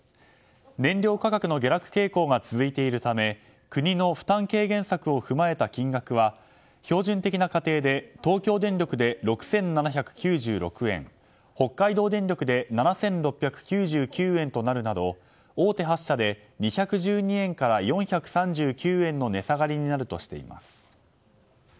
燃料価格の下落傾向が続いているため国の負担軽減策を踏まえた金額は標準的な家庭で東京電力で６７９６円北海道電力で７６９９円となるなど大手８社で２１２円から４３９円の値下がりになるとしています。